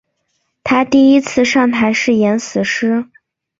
她第一次上台是演死尸。